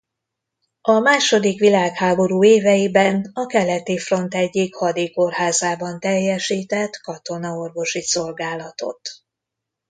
A második világháború éveiben a keleti front egyik hadi kórházában teljesített katonaorvosi szolgálatot.